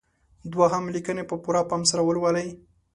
دوهم: لیکنې په پوره پام سره ولولئ.